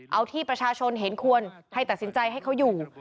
เอาที่ประชาชนเห็นควรให้ตัดสินใจให้เขาอยู่